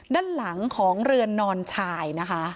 ด้านหลังของเรือนนอนชายนะคะ